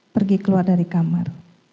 pergi keluar dari kamar